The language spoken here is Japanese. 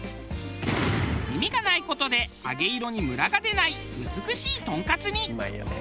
耳がない事で揚げ色にムラが出ない美しいトンカツに。